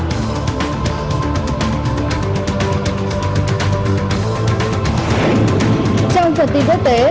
trong phần tin tối qua